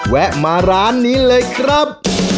แวะมาร้านนี้เลยครับ